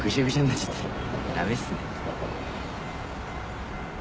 ダメっすね。